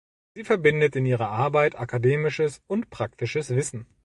Sie verbindet in ihrer Arbeit akademisches und praktisches Wissen.